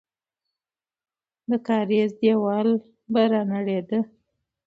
د کارېز دیوال به رانړېده.